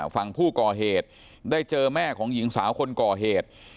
ฝั่งผู้ก่อเหตุได้เจอแม่ของหญิงสาวคนก่อเหตุ